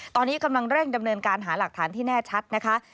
ตอนนี้กำลังเร่งดำเนินการหาหลักฐานที่แน่ชัดนะคะ